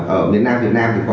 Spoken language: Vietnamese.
ở miền nam việt nam